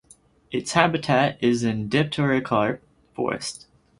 Its habitat is in dipterocarp forest.